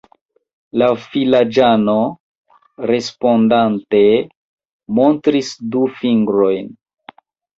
La vilaĝano, respondante, montris du fingrojn.